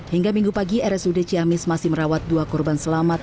hingga minggu pagi rsud ciamis masih merawat dua korban selamat